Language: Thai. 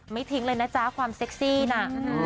ทิ้งเลยนะจ๊ะความเซ็กซี่น่ะ